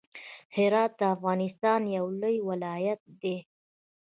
هرات د افغانستان يو لوی ولايت دی.